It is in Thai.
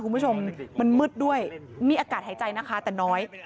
มันมืดด้วยมีอากาศหายใจแต่น้อย